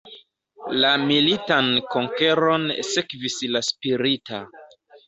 La militan konkeron sekvis la spirita.